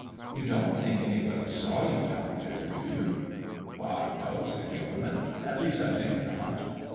"You don't think anybody saw you down there, do you?" "Why, no," said Gilderman; "at least, I think not."